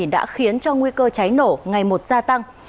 đã khiến cho nguy cơ cháy nổ ngày một gia tăng